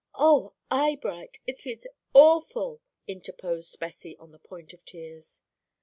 "Oh, Eyebright, it is awful!" interposed Bessie, on the point of tears.